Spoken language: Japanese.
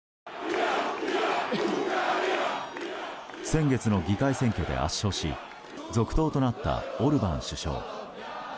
先月の議会選挙で圧勝し続投となったオルバン首相。